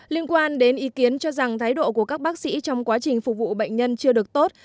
liên quan đến ý kiến cho rằng thái độ của các bác sĩ trong quá trình phục vụ bệnh nhân chưa được tốt